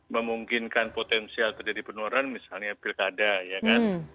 memungkinkan potensial terjadi penularan misalnya pilkada ya kan